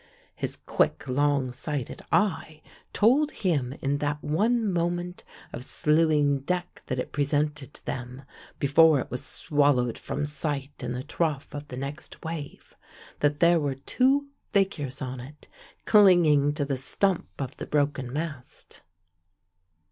His quick, long sighted eye told him in that one moment of slewing deck that it presented to them, before it was swallowed from sight in the trough of the next wave, that there were two figures on it, clinging to the stump of the broken mast.